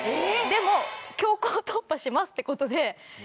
「でも強行突破します！」って事で。